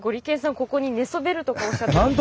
ここに寝そべるとかおっしゃってましたけど。